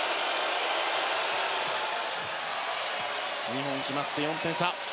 ２本決まって４点差。